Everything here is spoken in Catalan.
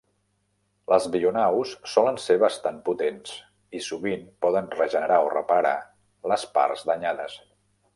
Les bionaus solen ser bastant potents i, sovint, poden regenerar o reparar les parts danyades.